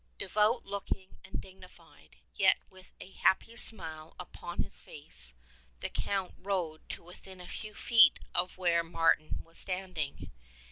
De vout looking and dignified, yet with a happy smile upon his face, the Count rode to within a few feet of where Mar tin was standing.